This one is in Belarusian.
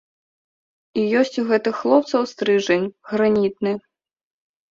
І ёсць у гэтых хлопцаў стрыжань, гранітны.